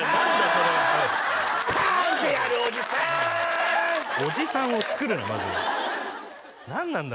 それはパン！ってやるおじさんおじさんをつくるなまず何なんだ